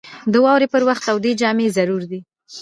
• د واورې پر وخت تودې جامې ضروري دي.